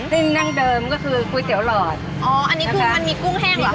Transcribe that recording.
เส้นดั้งเดิมก็คือก๋วยเตี๋ยหลอดอ๋ออันนี้คือมันมีกุ้งแห้งเหรอ